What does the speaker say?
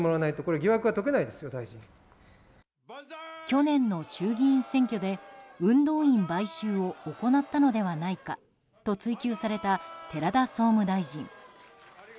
去年の衆議院選挙で運動員買収を行ったのではないかと追及された寺田総務大臣。